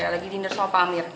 lagi diner sama perempuan